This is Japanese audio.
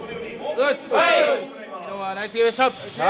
昨日はナイスゲームでした。